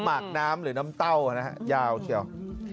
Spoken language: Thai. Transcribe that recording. หมากน้ำหรือน้ำเต้านะฮะยาวเชียว